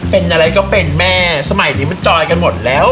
เป็นอะไรก็เป็นแม่สมัยนี้มันจอยกันหมดแล้ว